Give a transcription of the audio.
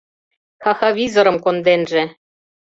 «Ха-ха-визорым» конденже